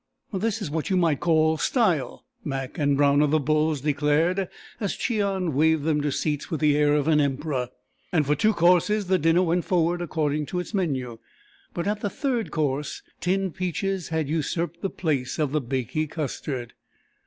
"This is what you might call style!" Mac and Brown of the Bulls declared, as Cheon waved them to seats with the air of an Emperor, and for two courses the dinner went forward according to its menu, but at the third course tinned peaches had usurped the place of the "bakee custard."